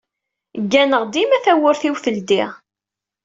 Gganeɣ dima tawwurt-iw teldi.